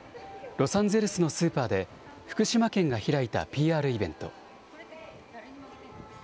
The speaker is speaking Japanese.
ロサンゼルスのスーパーで、福島県が開いたＰＲイベント。